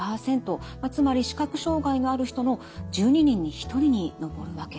つまり視覚障害のある人の１２人に１人に上るわけです。